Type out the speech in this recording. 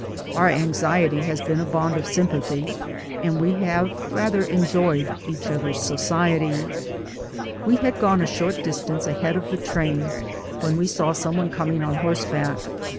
Our anxiety has been a bond of sympathy, and we have rather enjoyed each other's society. We had gone a short distance ahead of the train when we saw someone coming horseback.